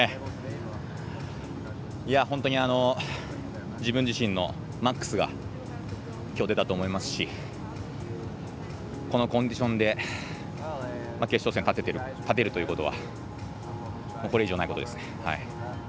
本当に自分自身のマックスがきょう出たと思いますしこのコンディションで決勝戦立てるということはこれ以上ないことですね。